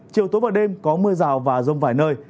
chiều tối và đêm có mưa rào và rông vài nơi